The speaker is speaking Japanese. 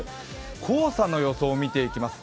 黄砂の予想を見ていきます。